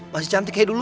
masih cantik kayak dulu